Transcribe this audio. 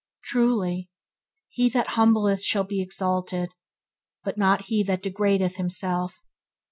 Truly, "He that humbleth shall be exalted," but not he that degardeth himself.